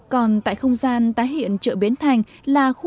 còn tại không gian tái hiện chợ biến thành là khu ẩm thực